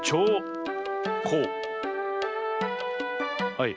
はい。